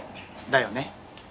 だよね。